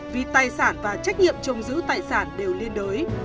vì tài sản và trách nhiệm trồng giữ tài sản đều liên đối